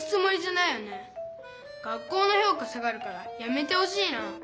学校のひょうか下がるからやめてほしいな。